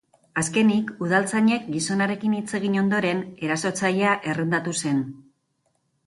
Azkenik, udaltzainek gizonarekin hitz egin ondoren, erasotzailea errendatu zen.